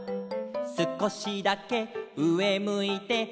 「すこしだけうえむいて」